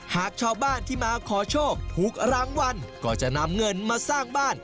หากชาวบ้านที่มาขอโชคถูกรางวัลก็จะนำเงินมาสร้างบ้าน